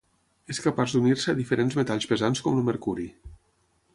És capaç d'unir-se a diferents metalls pesants com el mercuri.